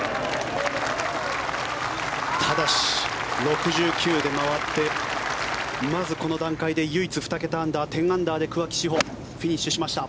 ただし６９で回ってまずこの段階で唯一２桁アンダー１０アンダーで桑木志帆フィニッシュしました。